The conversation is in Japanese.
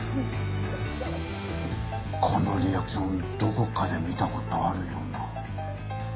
このリアクションどこかで見た事あるような。